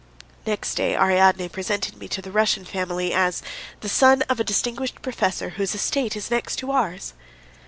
Next day Ariadne presented me to the Russian family as: "The son of a distinguished professor whose estate is next to ours."